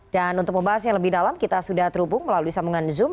dan untuk membahasnya lebih dalam kita sudah terhubung melalui samungan zoom